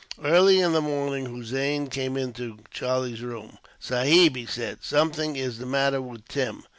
Early in the morning, Hossein came into Charlie's room. "Sahib," he said, "something is the matter with Tim."